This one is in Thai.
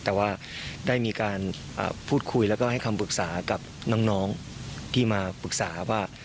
แต่ว่าได้มีการพูดคุยแล้วก็ให้คำปรึกษากับน้องที่มาปรึกษาว่า